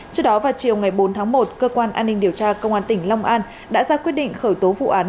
trước đó vào chiều ngày bốn tháng một cơ quan an ninh điều tra công an tỉnh long an đã ra quyết định khởi tố vụ án